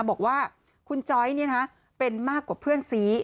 บอกว่าคุณจ้อยเป็นมากกว่าเพื่อนซี